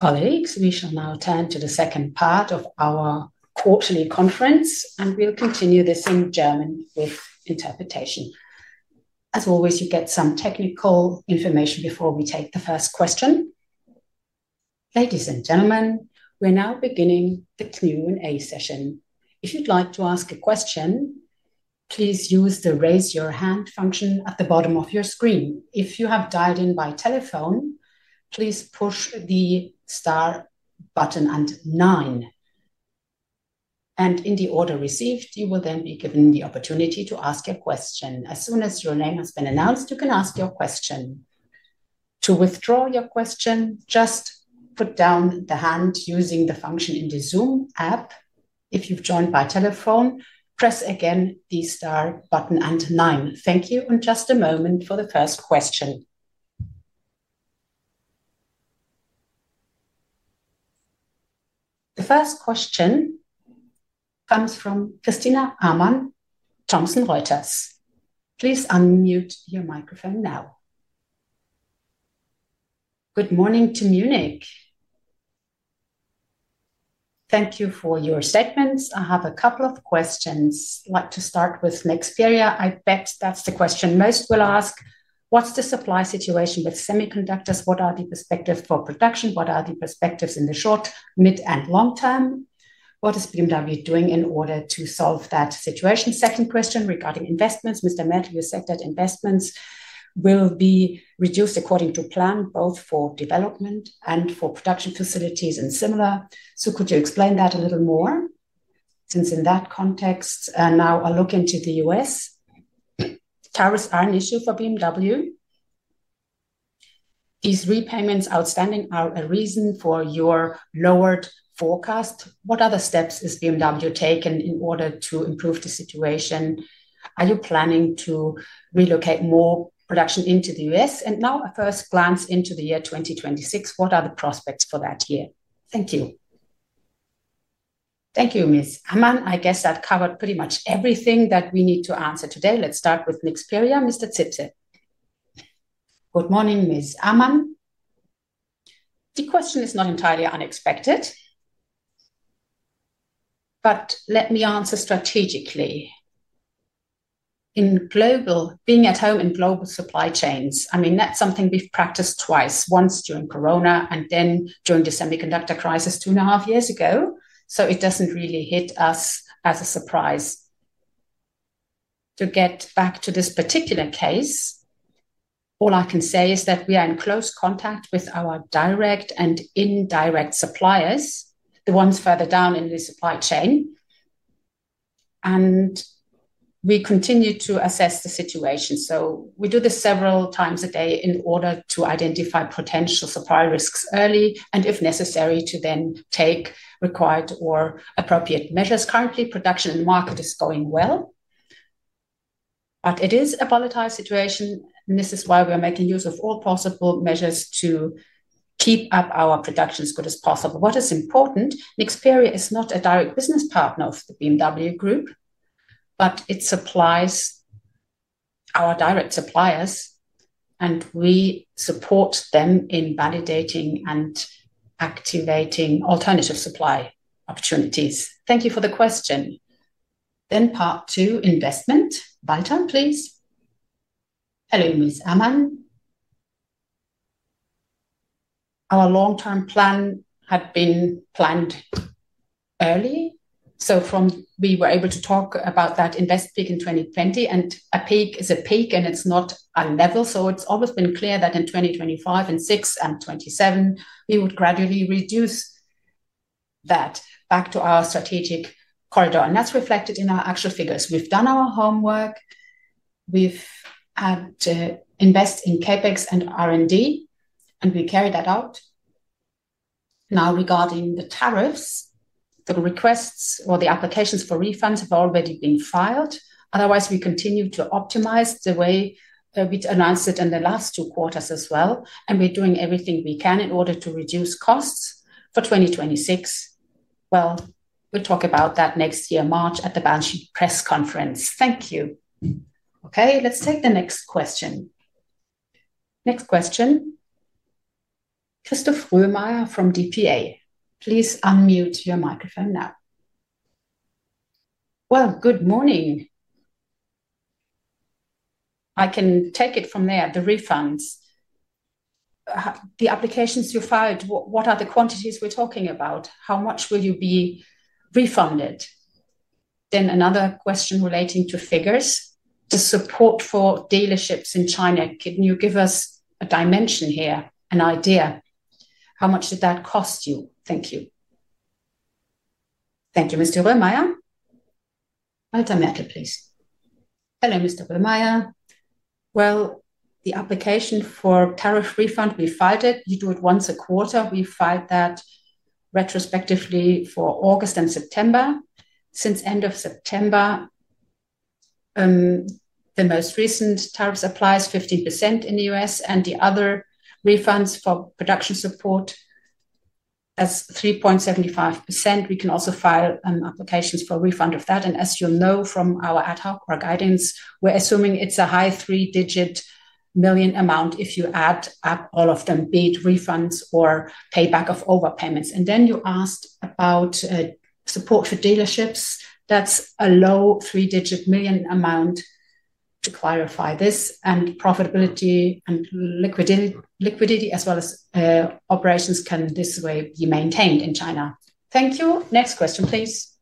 Colleagues, we shall now turn to the second part of our quarterly conference, and we'll continue this in German with interpretation. As always, you get some technical information before we take the first question. Ladies and gentlemen, we're now beginning the Q&A session. If you'd like to ask a question, please use the raise-your-hand function at the bottom of your screen. If you have dialed in by telephone, please push the star button and nine. In the order received, you will then be given the opportunity to ask a question. As soon as your name has been announced, you can ask your question. To withdraw your question, just put down the hand using the function in the Zoom app. If you've joined by telephone, press again the star button and nine. Thank you, and just a moment for the first question. The first question comes from Christina Amann. Thomson Reuters. Please unmute your microphone now. Good morning to Munich. Thank you for your statements. I have a couple of questions. I'd like to start with Nexperia. I bet that's the question most will ask. What's the supply situation with semiconductors? What are the perspectives for production? What are the perspectives in the short, mid, and long term? What is BMW doing in order to solve that situation? Second question regarding investments. Mr. Mertl, you said that investments will be reduced according to plan, both for development and for production facilities and similar. Could you explain that a little more? Since in that context, now a look into the U.S. Tariffs are an issue for BMW. These repayments outstanding are a reason for your lowered forecast. What other steps is BMW taking in order to improve the situation? Are you planning to relocate more production into the U.S.? Now a first glance into the year 2026. What are the prospects for that year? Thank you. Thank you, Ms. Amann. I guess that covered pretty much everything that we need to answer today. Let's start with Nexperia. Mr. Zipse. Good morning, Ms. Amann. The question is not entirely unexpected. Let me answer strategically. Being at home in global supply chains, I mean, that's something we've practiced twice, once during Corona and then during the semiconductor crisis two and a half years ago. It doesn't really hit us as a surprise. To get back to this particular case. All I can say is that we are in close contact with our direct and indirect suppliers, the ones further down in the supply chain. We continue to assess the situation. We do this several times a day in order to identify potential supply risks early and, if necessary, to then take required or appropriate measures. Currently, production and market is going well. It is a volatile situation, and this is why we are making use of all possible measures to keep our productions as good as possible. What is important, Nexperia is not a direct business partner of the BMW Group. But it supplies our direct suppliers, and we support them in validating and activating alternative supply opportunities. Thank you for the question. Then part two, investment. Walter, please. Hello, Ms. Amann. Our long-term plan had been planned early. We were able to talk about that investment peak in 2020, and a peak is a peak, and it is not a level. It has always been clear that in 2025 and 2026 and 2027, we would gradually reduce that back to our strategic corridor. That is reflected in our actual figures. We have done our homework. We have invested in CapEx and R&D, and we carry that out. Now, regarding the tariffs, the requests or the applications for refunds have already been filed. Otherwise, we continue to optimize the way we announced it in the last two quarters as well. We are doing everything we can in order to reduce costs for 2026. We will talk about that next year, March, at the Balchy Press Conference. Thank you. Okay, let's take the next question. Next question. Christoph Ruhrmeier from DPA. Please unmute your microphone now. Good morning. I can take it from there, the refunds. The applications you filed, what are the quantities we are talking about? How much will you be refunded? Another question relating to figures. The support for dealerships in China, can you give us a dimension here, an idea? How much did that cost you? Thank you. Thank you, Mr. Ruhrmeier. Walter Mertl, please. Hello, Mr. Ruhrmeier. The application for tariff refund, we filed it. You do it once a quarter. We filed that retrospectively for August and September. Since the end of September, the most recent tariffs apply 15% in the U.S., and the other refunds for production support as 3.75%. We can also file applications for a refund of that. As you will know from our ad hoc guidance, we are assuming it is a high three-digit million amount if you add up all of them, be it refunds or payback of overpayments. You asked about support for dealerships. That is a low three-digit million amount. To clarify this, profitability and liquidity as well as operations can this way be maintained in China. Thank you. Next question, please.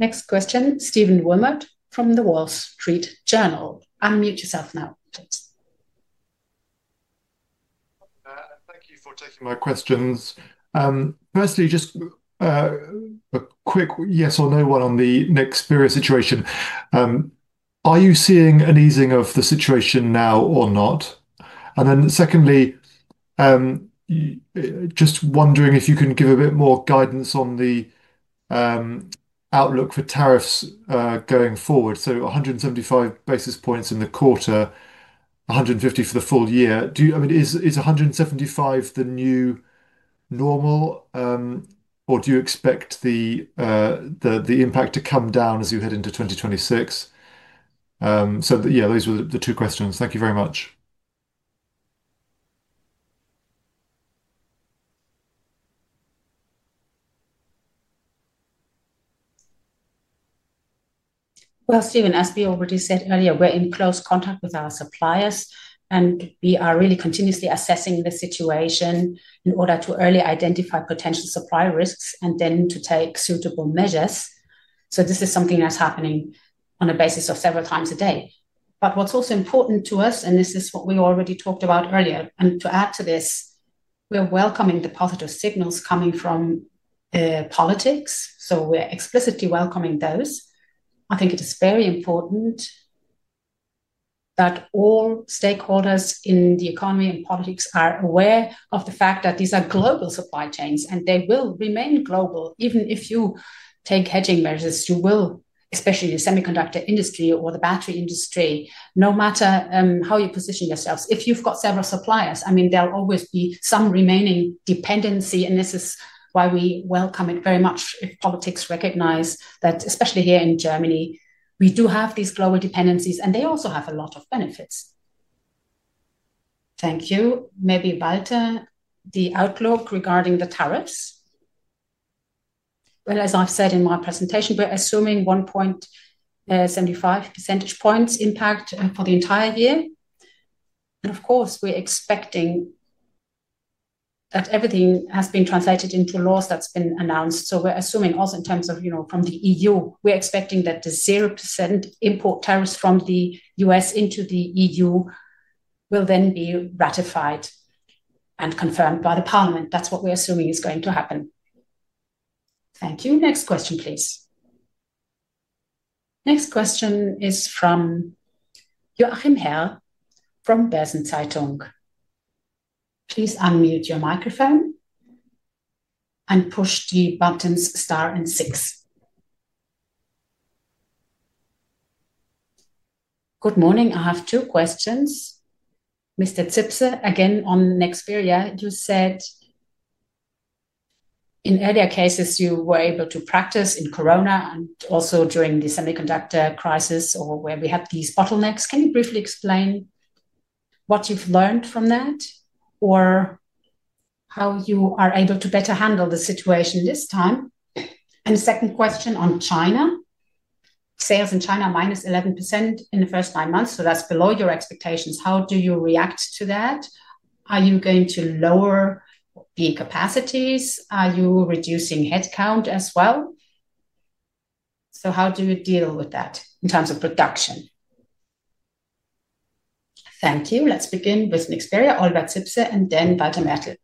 Next question, Stephen Wilmot from The Wall Street Journal. Unmute yourself now, please. Thank you for taking my questions. Firstly, just a quick yes or no one on the Nexperia situation. Are you seeing an easing of the situation now or not? Secondly, just wondering if you can give a bit more guidance on the outlook for tariffs going forward. So 175 basis points in the quarter, 150 for the full year. I mean, is 175 the new normal, or do you expect the impact to come down as you head into 2026? Yeah, those were the two questions. Thank you very much. Stephen, as we already said earlier, we're in close contact with our suppliers, and we are really continuously assessing the situation in order to early identify potential supply risks and then to take suitable measures. This is something that's happening on a basis of several times a day. What's also important to us, and this is what we already talked about earlier, and to add to this, we're welcoming the positive signals coming from politics. We're explicitly welcoming those. I think it is very important that all stakeholders in the economy and politics are aware of the fact that these are global supply chains, and they will remain global. Even if you take hedging measures, you will, especially in the semiconductor industry or the battery industry, no matter how you position yourselves. If you've got several suppliers, I mean, there'll always be some remaining dependency. This is why we welcome it very much if politics recognize that, especially here in Germany, we do have these global dependencies, and they also have a lot of benefits. Thank you. Maybe Walter, the outlook regarding the tariffs. As I've said in my presentation, we're assuming 1.75 percentage points impact for the entire year. Of course, we're expecting that everything has been translated into laws that's been announced. We're assuming also in terms of from the EU, we're expecting that the 0% import tariffs from the U.S. into the EU will then be ratified and confirmed by the Parliament. That's what we're assuming is going to happen. Thank you. Next question, please. Next question is from Joachim Herr from Börsen-Zeitung. Please unmute your microphone and push the buttons star and six. Good morning. I have two questions. Mr. Zipse, again on Nexperia, you said in earlier cases, you were able to practice in Corona and also during the semiconductor crisis or where we had these bottlenecks. Can you briefly explain what you've learned from that or how you are able to better handle the situation this time? The second question on China. Sales in China are minus 11% in the first nine months, so that's below your expectations. How do you react to that? Are you going to lower the capacities? Are you reducing headcount as well? How do you deal with that in terms of production? Thank you. Let's begin with Nexperia, Oliver Zipse, and then Walter Mertl.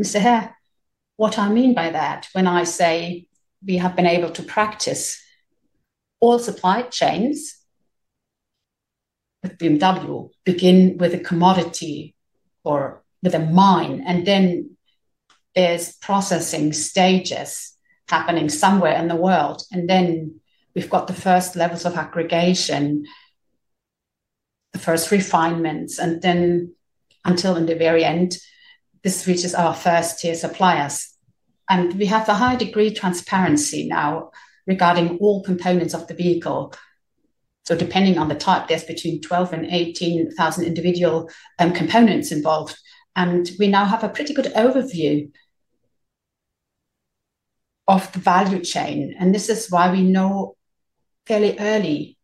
Mr. Herr, what I mean by that when I say we have been able to practice. All supply chains with BMW begin with a commodity or with a mine, and then there's processing stages happening somewhere in the world. Then we've got the first levels of aggregation, the first refinements, and then until in the very end, this reaches our first-tier suppliers. We have a high degree of transparency now regarding all components of the vehicle. Depending on the type, there's between 12,000 and 18,000 individual components involved. We now have a pretty good overview of the value chain. This is why we know fairly early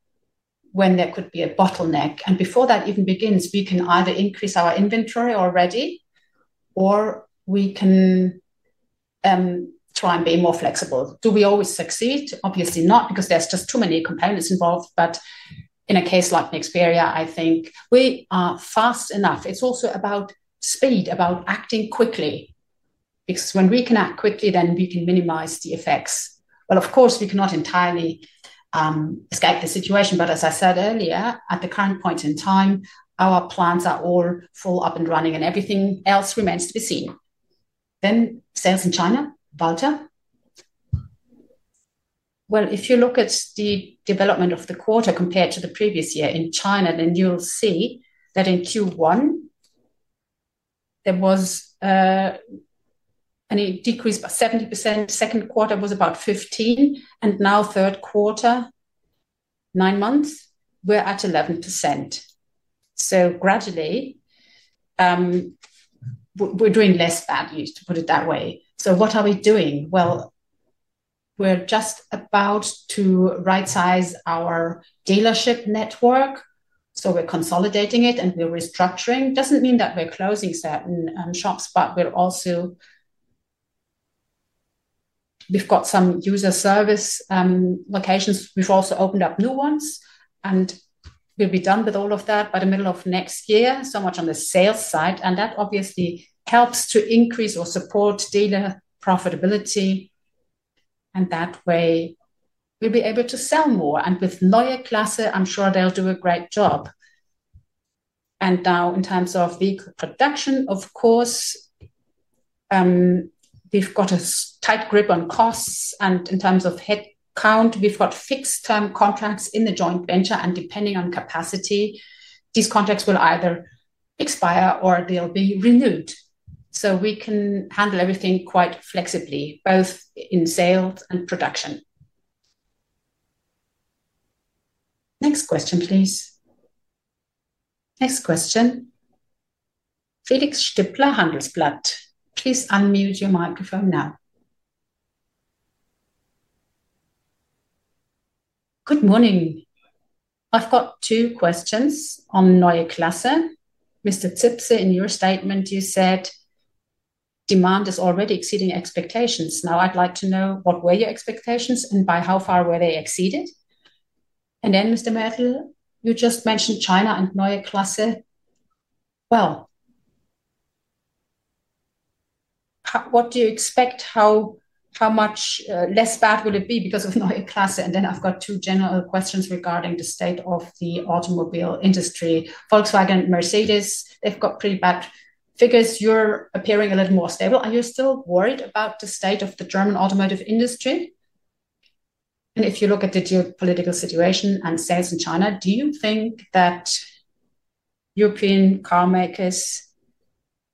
when there could be a bottleneck. Before that even begins, we can either increase our inventory already, or we can try and be more flexible. Do we always succeed? Obviously not, because there are just too many components involved. In a case like Nexperia, I think we are fast enough. It is also about speed, about acting quickly. When we can act quickly, then we can minimize the effects. Of course, we cannot entirely escape the situation. As I said earlier, at the current point in time, our plans are all full up and running, and everything else remains to be seen. Sales in China, Walter? If you look at the development of the quarter compared to the previous year in China, you will see that in Q1, there was a decrease by 70%. Second quarter was about 15%. Now third quarter, nine months, we are at 11%. Gradually, we are doing less bad news, to put it that way. What are we doing? We are just about to right-size our dealership network. We are consolidating it and we are restructuring. It does not mean that we are closing certain shops, but we have also got some user service locations. We have also opened up new ones. We will be done with all of that by the middle of next year, so much on the sales side. That obviously helps to increase or support dealer profitability. That way, we will be able to sell more. With Neue Klasse, I am sure they will do a great job. Now in terms of vehicle production, of course, we have got a tight grip on costs. In terms of headcount, we have got fixed-term contracts in the joint venture. Depending on capacity, these contracts will either expire or they will be renewed. We can handle everything quite flexibly, both in sales and production. Next question, please. Next question. Felix Stippler-Handelsblatt. Please unmute your microphone now. Good morning. I have got two questions on Neue Klasse. Mr. Zipse, in your statement, you said, "Demand is already exceeding expectations." I would like to know what were your expectations and by how far were they exceeded? Mr. Mertl, you just mentioned China and Neue Klasse. What do you expect? How much less bad will it be because of Neue Klasse? I have got two general questions regarding the state of the automobile industry. Volkswagen and Mercedes, they have got pretty bad figures. You are appearing a little more stable. Are you still worried about the state of the German automotive industry? If you look at the geopolitical situation and sales in China, do you think that European carmakers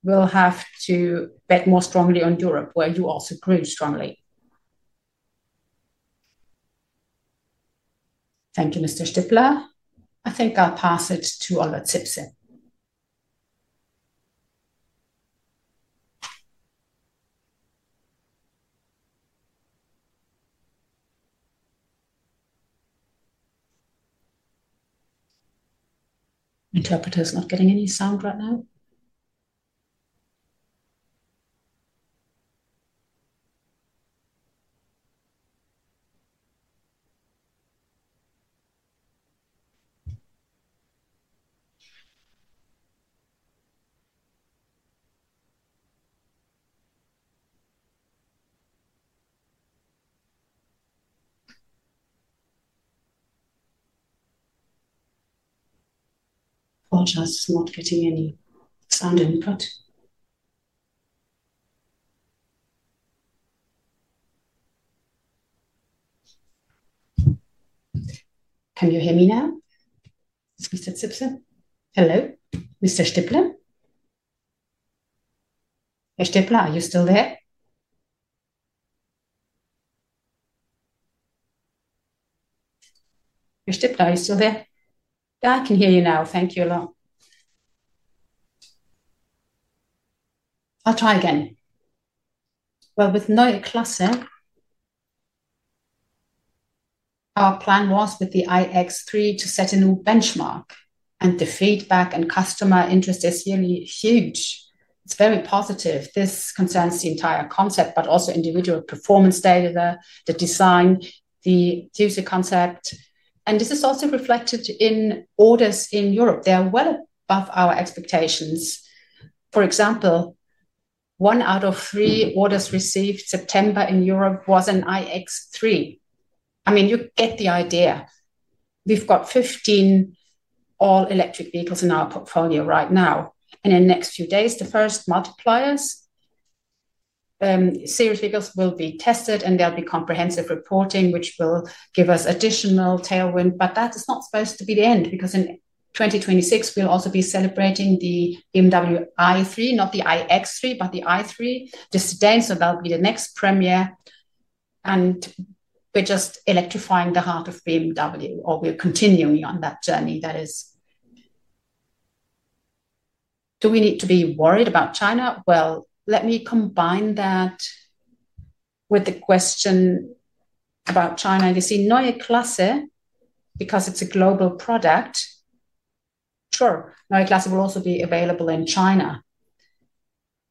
will have to bet more strongly on Europe, where you also grew strongly? Thank you, Mr. Stippler. I think I will pass it to Oliver Zipse. Interpreter is not getting any sound right now. Walter is not getting any sound input. Can you hear me now? Mr. Zipse? Hello? Mr. Stippler? Mr. Stippler, are you still there? I can hear you now. Thank you a lot. I'll try again. With Neue Klasse, our plan was with the iX3 to set a new benchmark. The feedback and customer interest is really huge. It's very positive. This concerns the entire concept, but also individual performance data, the design, the future concept. This is also reflected in orders in Europe. They are well above our expectations. For example, one out of three orders received in September in Europe was an iX3. I mean, you get the idea. We've got 15 all-electric vehicles in our portfolio right now. In the next few days, the first multipliers, series vehicles will be tested, and there'll be comprehensive reporting, which will give us additional tailwind. That is not supposed to be the end, because in 2026, we'll also be celebrating the BMW i3, not the iX3, but the i3 just today. That'll be the next premiere. We're just electrifying the heart of BMW, or we're continuing on that journey. Do we need to be worried about China? Let me combine that with the question about China. You see, Neue Klasse, because it's a global product. Sure, Neue Klasse will also be available in China.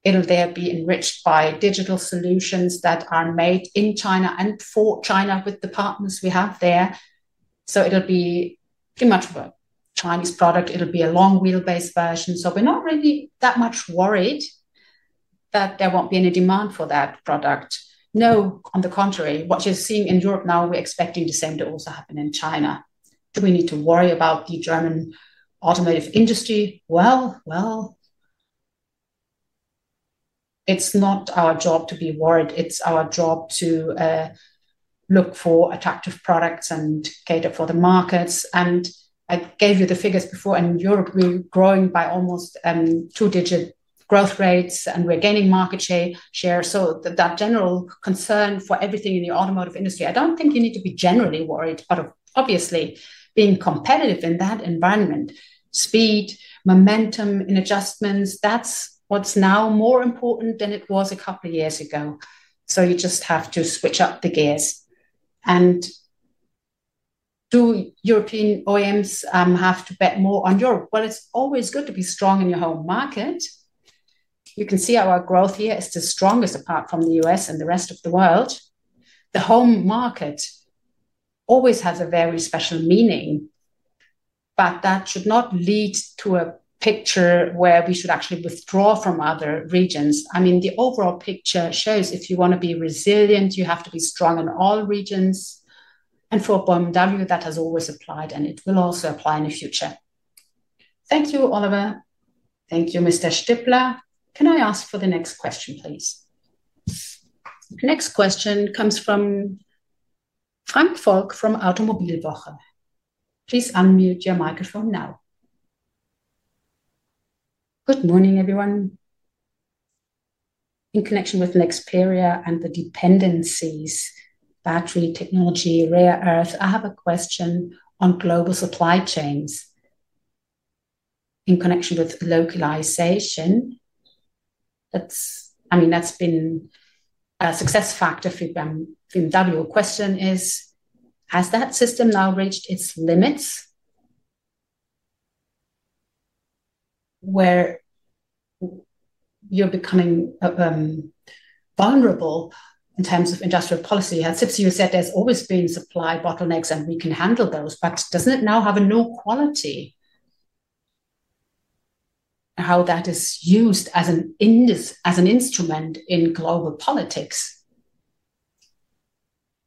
It'll there be enriched by digital solutions that are made in China and for China with the partners we have there. It'll be pretty much a Chinese product. It'll be a long-wheelbase version. We're not really that much worried that there won't be any demand for that product. No, on the contrary. What you're seeing in Europe now, we're expecting the same to also happen in China. Do we need to worry about the German automotive industry? It's not our job to be worried. It's our job to look for attractive products and cater for the markets. I gave you the figures before. In Europe, we're growing by almost two-digit growth rates, and we're gaining market share. That general concern for everything in the automotive industry, I don't think you need to be generally worried, but obviously being competitive in that environment, speed, momentum in adjustments, that's what's now more important than it was a couple of years ago. You just have to switch up the gears. Do European OEMs have to bet more on Europe? It's always good to be strong in your home market. You can see our growth here is the strongest apart from the U.S. and the rest of the world. The home market always has a very special meaning. That should not lead to a picture where we should actually withdraw from other regions. I mean, the overall picture shows if you want to be resilient, you have to be strong in all regions. For BMW, that has always applied, and it will also apply in the future. Thank you, Oliver. Thank you, Mr. Stippler. Can I ask for the next question, please? Next question comes from Frank Volk from Automobilwoche. Please unmute your microphone now. Good morning, everyone. In connection with Nexperia and the dependencies, battery technology, rare earth, I have a question on global supply chains. In connection with localization, I mean, that's been a success factor for BMW. The question is, has that system now reached its limits? Where you're becoming vulnerable in terms of industrial policy. Zipse, you said there's always been supply bottlenecks, and we can handle those, but does not it now have a new quality? How that is used as an instrument in global politics.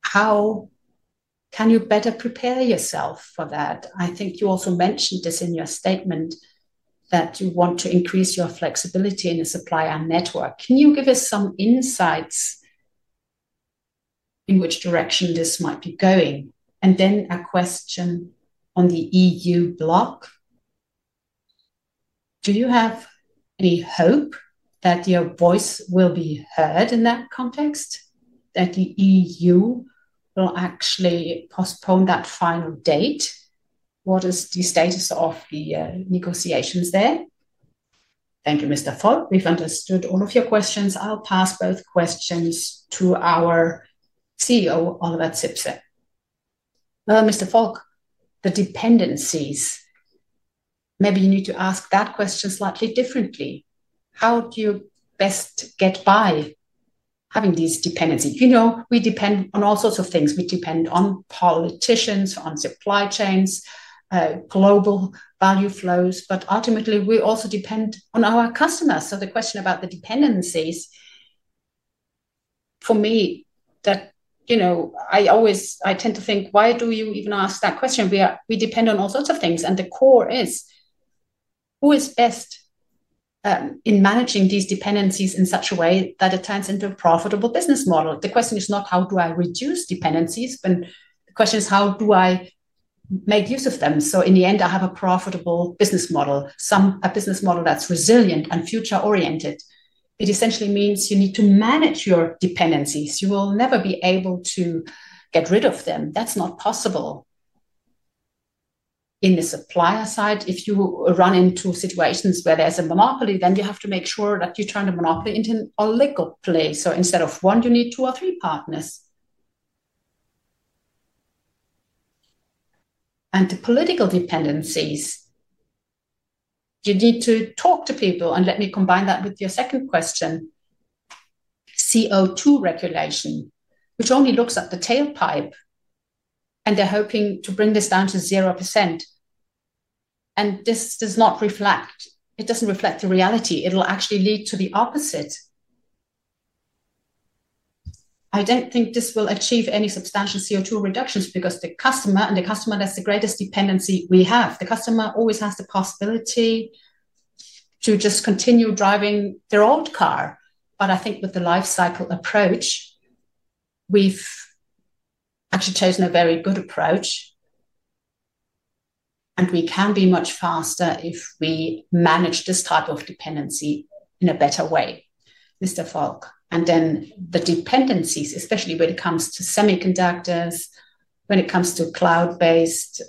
How can you better prepare yourself for that? I think you also mentioned this in your statement, that you want to increase your flexibility in a supply and network. Can you give us some insights in which direction this might be going? And then a question on the EU bloc. Do you have any hope that your voice will be heard in that context, that the EU will actually postpone that final date? What is the status of the negotiations there? Thank you, Mr. Volk. We've understood all of your questions. I'll pass both questions to our CEO, Oliver Zipse. Mr. Volk, the dependencies, maybe you need to ask that question slightly differently. How do you best get by having these dependencies? We depend on all sorts of things. We depend on politicians, on supply chains, global value flows, but ultimately, we also depend on our customers. The question about the dependencies, for me, that, I tend to think, why do you even ask that question? We depend on all sorts of things. The core is, who is best in managing these dependencies in such a way that it turns into a profitable business model? The question is not, how do I reduce dependencies? The question is, how do I make use of them? In the end, I have a profitable business model, a business model that's resilient and future-oriented. It essentially means you need to manage your dependencies. You will never be able to get rid of them. That's not possible. On the supplier side, if you run into situations where there's a monopoly, then you have to make sure that you turn the monopoly into a legal play. Instead of one, you need two or three partners. The political dependencies, you need to talk to people. Let me combine that with your second question. CO2 regulation, which only looks at the tailpipe, and they're hoping to bring this down to 0%. This does not reflect, it doesn't reflect the reality. It'll actually lead to the opposite. I don't think this will achieve any substantial CO2 reductions because the customer, and the customer, that's the greatest dependency we have. The customer always has the possibility to just continue driving their old car. I think with the lifecycle approach, we've actually chosen a very good approach, and we can be much faster if we manage this type of dependency in a better way, Mr. Volk. The dependencies, especially when it comes to semiconductors, when it comes to cloud-based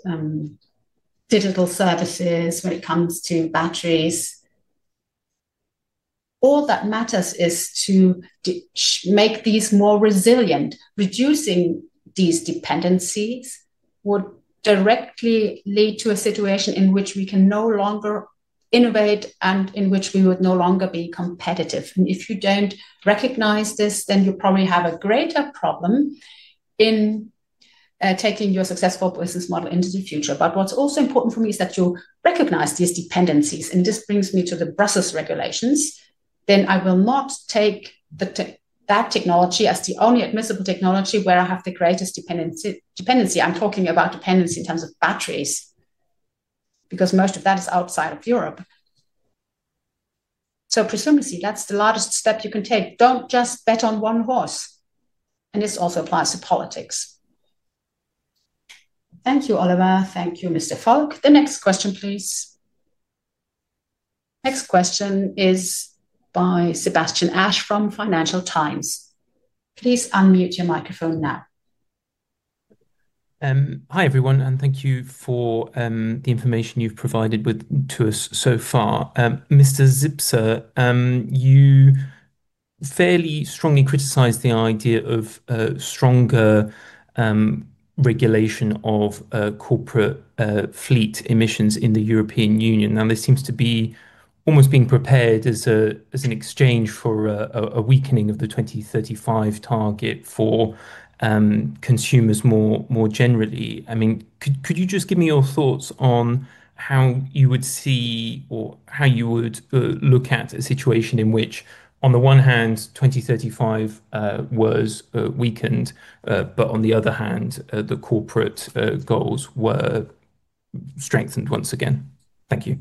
digital services, when it comes to batteries, all that matters is to make these more resilient. Reducing these dependencies would directly lead to a situation in which we can no longer innovate and in which we would no longer be competitive. If you do not recognize this, then you probably have a greater problem in taking your successful business model into the future. What is also important for me is that you recognize these dependencies. This brings me to the Brussels regulations. I will not take that technology as the only admissible technology where I have the greatest dependency. I am talking about dependency in terms of batteries, because most of that is outside of Europe. Presumably, that is the largest step you can take. Do not just bet on one horse. This also applies to politics. Thank you, Oliver. Thank you, Mr. Volk. The next question, please. Next question is by Sebastian Ash from Financial Times. Please unmute your microphone now. Hi, everyone, and thank you for the information you have provided to us so far. Mr. Zipse, you fairly strongly criticized the idea of a stronger regulation of corporate fleet emissions in the European Union. Now, this seems to be almost being prepared as an exchange for a weakening of the 2035 target for consumers more generally. I mean, could you just give me your thoughts on how you would see or how you would look at a situation in which, on the one hand, 2035 was weakened, but on the other hand, the corporate goals were strengthened once again? Thank you.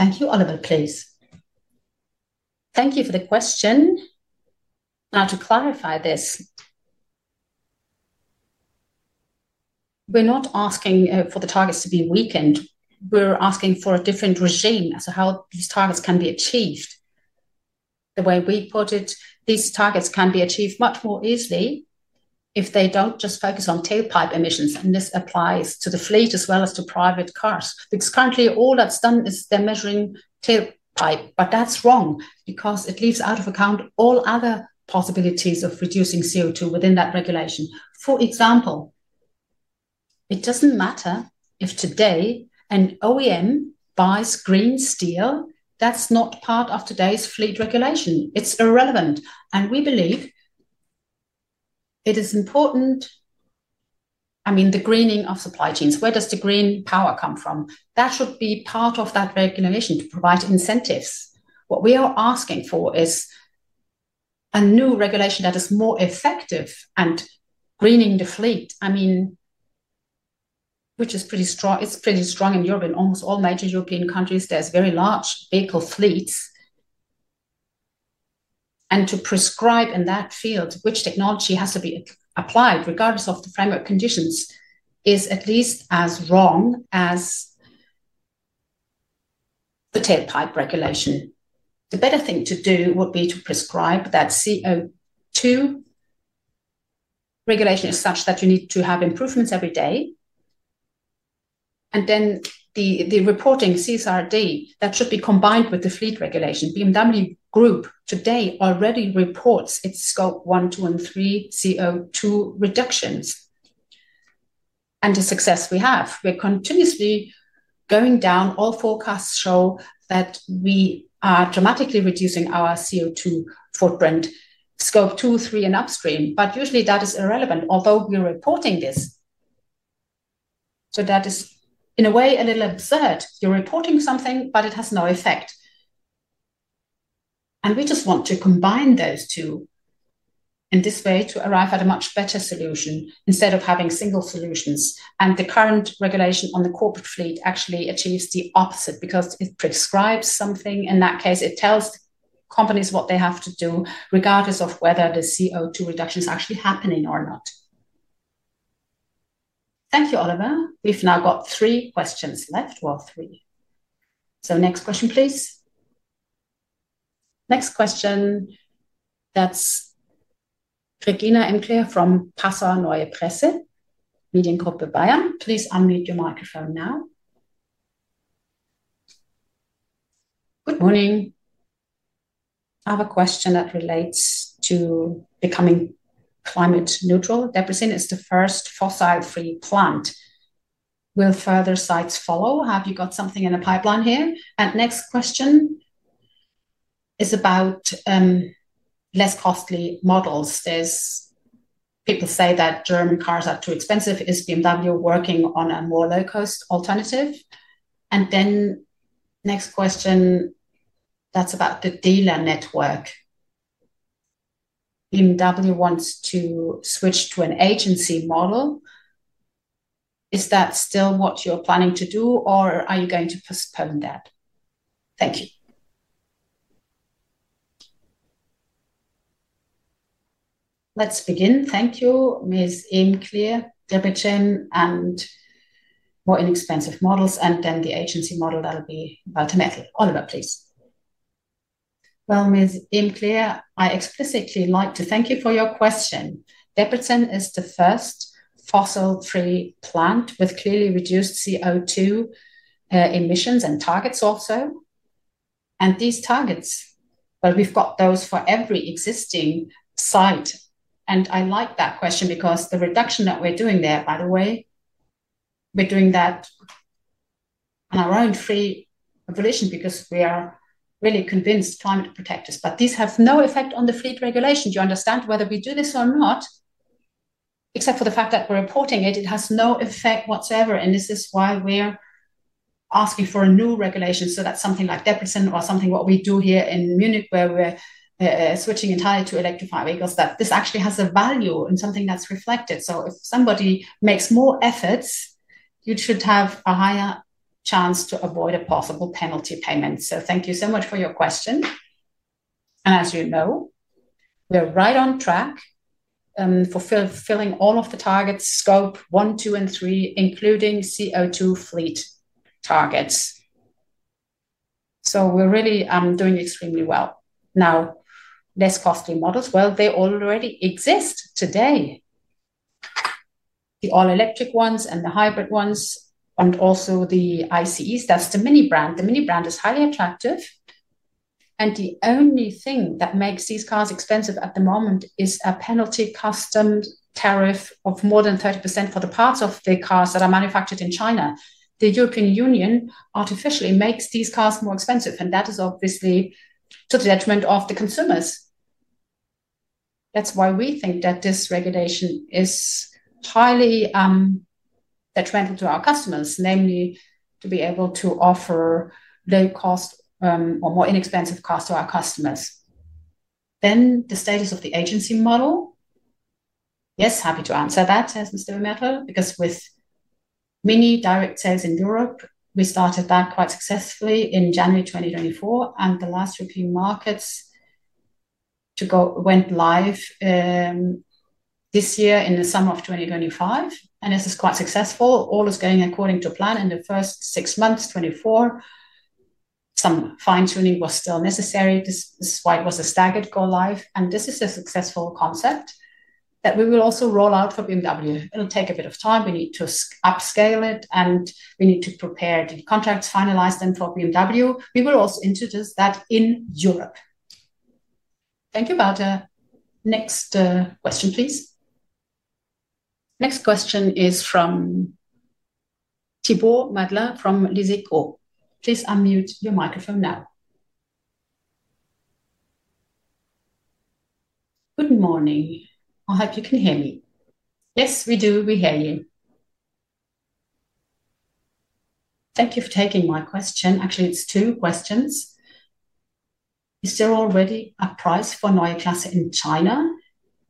Thank you, Oliver, please. Thank you for the question. Now, to clarify this, we are not asking for the targets to be weakened. We are asking for a different regime as to how these targets can be achieved. The way we put it, these targets can be achieved much more easily if they do not just focus on tailpipe emissions. This applies to the fleet as well as to private cars, because currently, all that is done is they are measuring tailpipe. That is wrong because it leaves out of account all other possibilities of reducing CO2 within that regulation. For example, it does not matter if today an OEM buys green steel. That is not part of today's fleet regulation. It is irrelevant. We believe it is important. I mean, the greening of supply chains. Where does the green power come from? That should be part of that regulation to provide incentives. What we are asking for is a new regulation that is more effective and greening the fleet. I mean, which is pretty strong. It is pretty strong in Europe. In almost all major European countries, there's very large vehicle fleets. To prescribe in that field which technology has to be applied, regardless of the framework conditions, is at least as wrong as the tailpipe regulation. The better thing to do would be to prescribe that CO2 regulation as such that you need to have improvements every day. Then the reporting CSRD, that should be combined with the fleet regulation. BMW Group today already reports its Scope 1, 2, and 3 CO2 reductions. The success we have, we're continuously going down. All forecasts show that we are dramatically reducing our CO2 footprint, Scope 2, 3, and upstream. Usually, that is irrelevant, although we're reporting this. That is, in a way, a little absurd. You're reporting something, but it has no effect. We just want to combine those two in this way to arrive at a much better solution instead of having single solutions. The current regulation on the corporate fleet actually achieves the opposite because it prescribes something. In that case, it tells companies what they have to do, regardless of whether the CO2 reduction is actually happening or not. Thank you, Oliver. We've now got three questions left. Three. Next question, please. Next question. That's Regina Ehm-Klier from Passauer Neue Presse, Mediengruppe Bayern. Please unmute your microphone now. Good morning. I have a question that relates to becoming climate neutral. Debrecen is the first fossil-free plant. Will further sites follow? Have you got something in the pipeline here? Next question is about less costly models. People say that German cars are too expensive. Is BMW working on a more low-cost alternative? Next question, that's about the dealer network. BMW wants to switch to an agency model. Is that still what you're planning to do, or are you going to postpone that? Thank you. Let's begin. Thank you, Ms. Ehm-Klier, Debrecen, and more inexpensive models, and then the agency model that will be about a method. Oliver, please. Ms. Ehm-Klier, I explicitly like to thank you for your question. Debrecen is the first fossil-free plant with clearly reduced CO2 emissions and targets also. These targets, we've got those for every existing site. I like that question because the reduction that we're doing there, by the way, we're doing that on our own free volition because we are really convinced climate protectors. These have no effect on the fleet regulation. Do you understand whether we do this or not? Except for the fact that we're reporting it, it has no effect whatsoever. This is why we're asking for a new regulation. That is something like Debrecen or something what we do here in Munich, where we're switching entirely to electrified vehicles, that this actually has a value and something that's reflected. If somebody makes more efforts, you should have a higher chance to avoid a possible penalty payment. Thank you so much for your question. As you know, we're right on track for filling all of the targets, Scope 1, 2, and 3, including CO2 fleet targets. We're really doing extremely well. Less costly models? They already exist today. The all-electric ones and the hybrid ones, and also the ICEs. That's the MINI brand. The MINI brand is highly attractive. The only thing that makes these cars expensive at the moment is a penalty custom tariff of more than 30% for the parts of the cars that are manufactured in China. The European Union artificially makes these cars more expensive. That is obviously to the detriment of the consumers. That is why we think that this regulation is highly detrimental to our customers, namely to be able to offer low-cost or more inexpensive cars to our customers. The status of the agency model. Yes, happy to answer that, as Mr. Mertl, because with MINI direct sales in Europe, we started that quite successfully in January 2024. The last few markets went live this year in the summer of 2025. This is quite successful. All is going according to plan. In the first six months, 2024, some fine-tuning was still necessary. This is why it was a staggered go live. This is a successful concept that we will also roll out for BMW. It'll take a bit of time. We need to upscale it, and we need to prepare the contracts, finalize them for BMW. We will also introduce that in Europe. Thank you, Walter. Next question, please. Next question is from Thibaut Mettler from Les Échos. Please unmute your microphone now. Good morning. I hope you can hear me. Yes, we do. We hear you. Thank you for taking my question. Actually, it's two questions. Is there already a price for a Neue Klasse in China?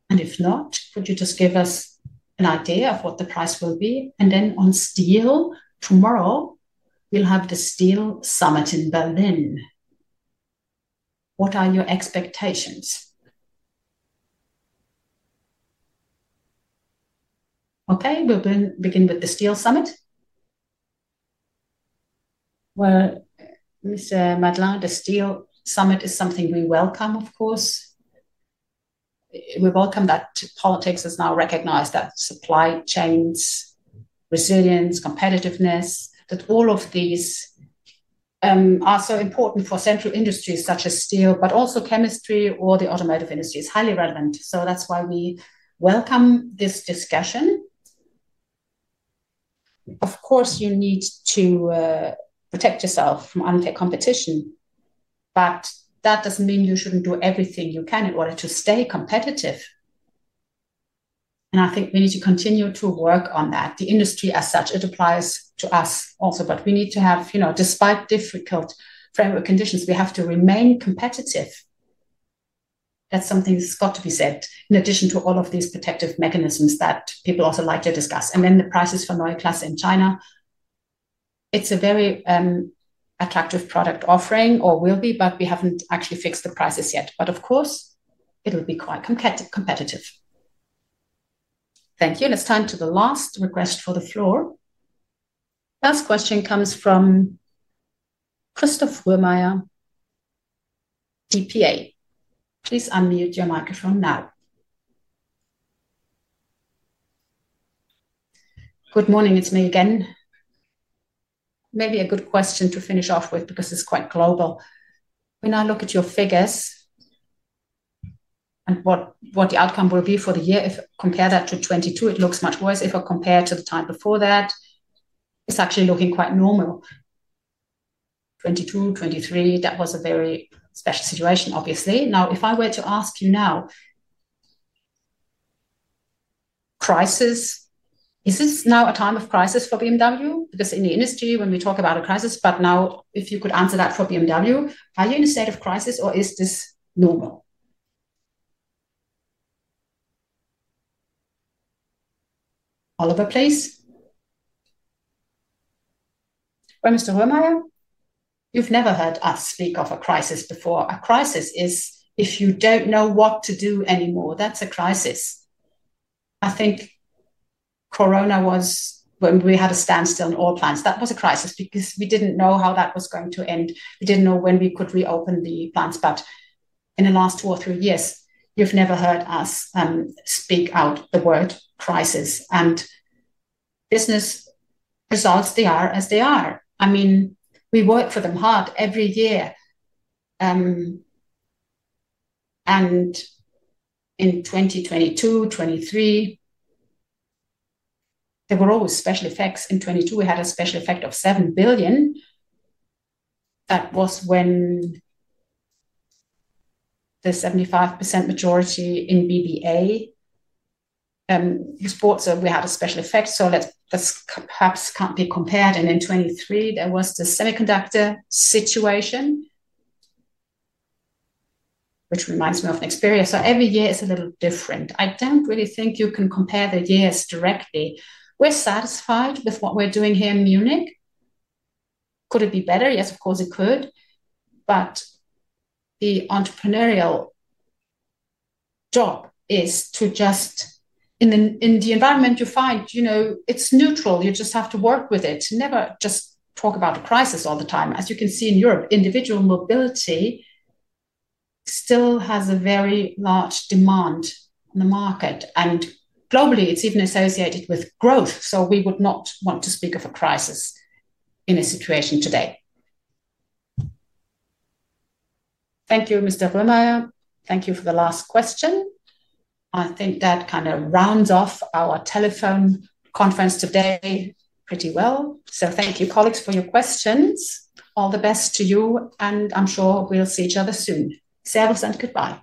If not, could you just give us an idea of what the price will be? On steel, tomorrow, we'll have the Steel Summit in Berlin. What are your expectations? We'll begin with the Steel Summit. Mr. Mettler, the Steel Summit is something we welcome, of course. We welcome that politics has now recognized that supply chains, resilience, competitiveness, that all of these are so important for central industries such as steel, but also chemistry or the automotive industry is highly relevant. That is why we welcome this discussion. Of course, you need to protect yourself from unfair competition. That doesn't mean you shouldn't do everything you can in order to stay competitive. I think we need to continue to work on that. The industry as such, it applies to us also. We need to have, despite difficult framework conditions, we have to remain competitive. That's something that's got to be said in addition to all of these protective mechanisms that people also like to discuss. Then the prices for a Neue Klasse in China. It's a very attractive product offering or will be, but we haven't actually fixed the prices yet. Of course, it will be quite competitive. Thank you. It's time to the last request for the floor. Last question comes from Christoph Meyer, DPA. Please unmute your microphone now. Good morning. It's me again. Maybe a good question to finish off with because it's quite global. When I look at your figures and what the outcome will be for the year, if I compare that to 2022, it looks much worse. If I compare to the time before that, it's actually looking quite normal. 2022, 2023, that was a very special situation, obviously. Now, if I were to ask you now, crisis, is this now a time of crisis for BMW? Because in the industry, when we talk about a crisis, but now, if you could answer that for BMW, are you in a state of crisis, or is this normal? Oliver, please. Mr. Meyer, you've never heard us speak of a crisis before. A crisis is if you don't know what to do anymore. That's a crisis. I think Corona was when we had a standstill in all plants. That was a crisis because we didn't know how that was going to end. We didn't know when we could reopen the plants. In the last two or three years, you've never heard us speak out the word crisis. Business results, they are as they are. I mean, we work for them hard every year. In 2022, 2023, there were always special effects. In 2022, we had a special effect of $7 billion. That was when the 75% majority in BBA. We had a special effect. So that's perhaps can't be compared. In 2023, there was the semiconductor situation, which reminds me of an experience. Every year is a little different. I don't really think you can compare the years directly. We're satisfied with what we're doing here in Munich. Could it be better? Yes, of course, it could. The entrepreneurial job is to just, in the environment you find, it's neutral. You just have to work with it. Never just talk about a crisis all the time. As you can see in Europe, individual mobility still has a very large demand in the market. Globally, it's even associated with growth. We would not want to speak of a crisis in a situation today. Thank you, Mr. Meyer. Thank you for the last question. I think that kind of rounds off our telephone conference today pretty well. Thank you, colleagues, for your questions. All the best to you. I'm sure we'll see each other soon. Servus and goodbye.